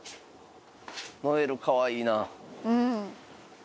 ノエルかわいいな。